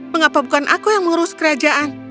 mengapa bukan aku yang mengurus kerajaan